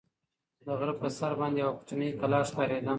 د غره په سر باندې یوه کوچنۍ کلا ښکارېده.